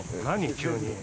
急に。